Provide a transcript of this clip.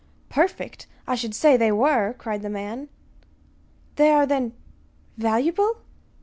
"Perfect! I should say they were," cried the man. "They are, then valuable?"